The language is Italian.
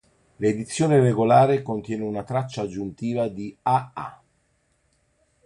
L'edizione regolare contiene una traccia aggiuntiva, "A-Ha".